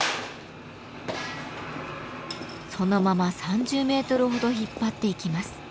そのまま３０メートルほど引っ張っていきます。